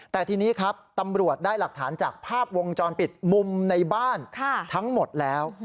แต่ทีนี้ครับตำรวจได้หลักฐานจากภาพวงจรปิดมุมในบ้านทั้งหมดแล้ว